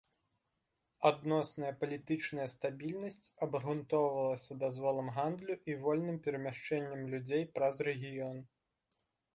Адносная палітычная стабільнасць абгрунтоўвалася дазволам гандлю і вольным перамяшчэннем людзей праз рэгіён.